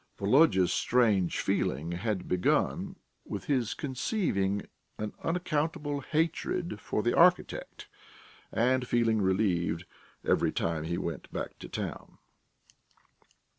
Volodya's strange feeling had begun with his conceiving an unaccountable hatred for the architect, and feeling relieved every time he went back to town.